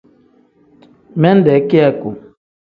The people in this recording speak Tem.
Minde kiyaku.